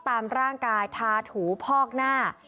ตามร่างกายทาถูพอกหน้า